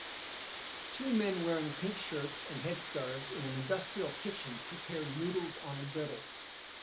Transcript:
Two men wearing pink shirts and headscarves in an industrial kitchen prepare noodles on a griddle